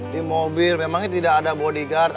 di mobil memangnya tidak ada bodyguard